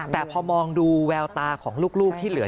แต่พอมองดูแววตาของลูกที่เหลือ